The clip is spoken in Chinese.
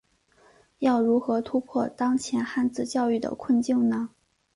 要如何突破当前汉字教育的困境呢？